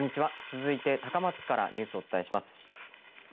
続いて高松からニュースをお伝えします。